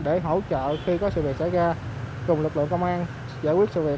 để hỗ trợ khi có sự việc xảy ra cùng lực lượng công an giải quyết sự việc